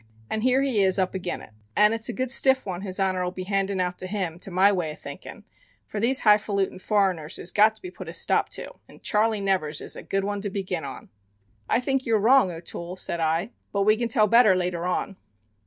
And here he is up agin it. An' it's a good stiff one His Honor will be handin' out to him to my way of thinkin', for these high fallutin' foreigners has got to be put a stop to, and Charley Nevers is a good one to begin on." "I think you're wrong, O'Toole," said I. "But we can tell better later on."